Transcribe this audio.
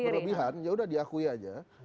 berlebihan yaudah diakui saja